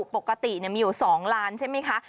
ปกติมีอยู่๒ลานใช่มั้ยคะ